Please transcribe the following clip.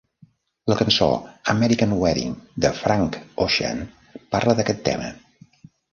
La cançó American Wedding de Frank Ocean parla d'aquest tema.